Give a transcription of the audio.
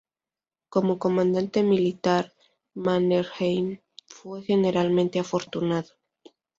Como comandante militar, Mannerheim fue generalmente afortunado.